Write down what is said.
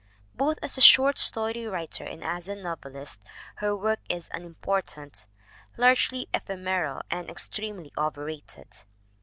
Both as a short story writer and as a novelist her work is unimportant, largely ephemeral and ex tremely overrated.